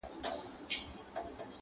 په سبا به آوازه سوه په وطن کي-